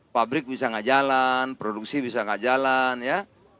fabrik bisa gak jalan produksi bisa gak jalan ya